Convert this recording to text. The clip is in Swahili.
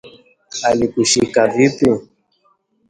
Alikushika vipi?